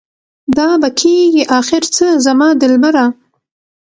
دا به کيږي اخر څه زما دلبره؟